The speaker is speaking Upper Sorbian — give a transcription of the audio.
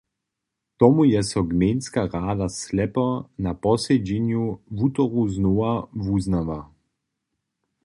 Tomu je so gmejnska rada Slepo na posedźenju wutoru znowa wuznała.